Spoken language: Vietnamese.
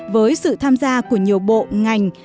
với sự tham gia của nhiều bộ ngành